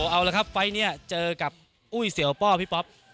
เอาละครับไฟล์นี้เจอกับอุ้ยเสียวป้อพี่ป๊อป